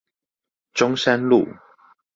中山路